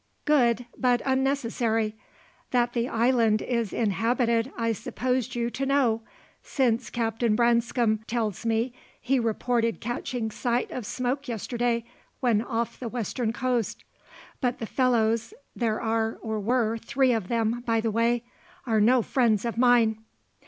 "Good, but unnecessary. That the island is inhabited I supposed you to know, since Captain Branscome tells me he reported catching sight of smoke yesterday when off the western coast; but the fellows there are, or were, three of them, by the way are no friends of mine."